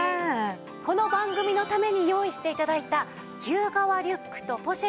この番組のために用意して頂いた牛革リュックとポシェットの特別セットです。